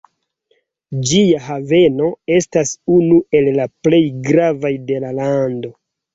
Ĝia haveno estas unu el la plej gravaj de la lando.